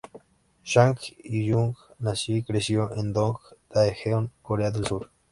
Sang Hyuk nació y creció en Dong, Daejeon, Corea del Sur.